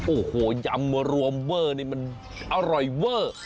โอ้โฮยำรวมเว่อนี่มันอร่อยเว่อ